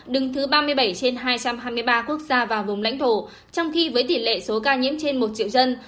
đứng thứ ba mươi bảy trên hai trăm hai mươi ba quốc gia và vùng lãnh thổ trong khi với tỷ lệ số ca nhiễm trên một triệu dân